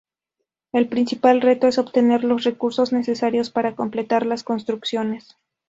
El principal reto es obtener los recursos necesarios para completar las construcciones.